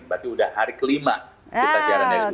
berarti udah hari kelima kita siaran dari rumah